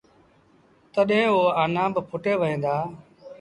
تڏهيݩ او آنآ با ڦُٽي وهيݩ دآ۔